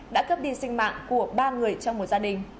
đã cướp đi sinh mạng của ba người trong một gia đình